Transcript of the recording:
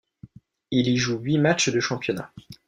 Il y joue huit matchs de championnat.